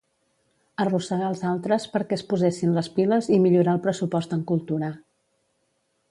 Arrossegar els altres perquè es posessin les piles i millorar el pressupost en cultura